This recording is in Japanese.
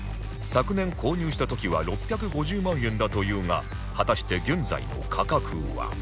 昨年購入した時は６５０万円だというが果たして現在の価格は？